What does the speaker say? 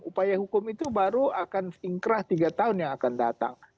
upaya hukum itu baru akan ingkrah tiga tahun yang akan datang